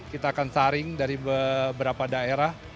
kita akan saring dari beberapa daerah